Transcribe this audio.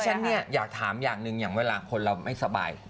ฉันเนี่ยอยากถามอย่างหนึ่งอย่างเวลาคนเราไม่สบาย